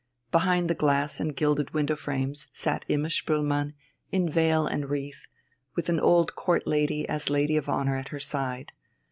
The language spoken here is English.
Behind the glass and gilded window frames sat Imma Spoelmann in veil and wreath, with an old Court lady as lady of honour at her side.